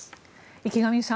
池上さん